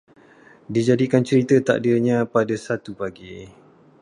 Dijadikan cerita, takdirnya pada suatu pagi